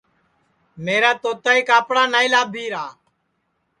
میرا توتائی کاپڑا نائی لابھی را